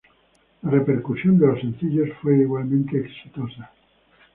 La repercusión de los sencillos fue igualmente exitosa.